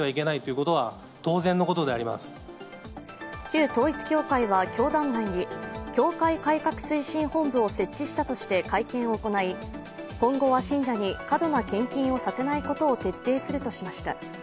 旧統一教会は、教団内に教会改革推進本部を設置したとして会見を行い、今後は信者に過度な献金をさせないことを徹底するとしました。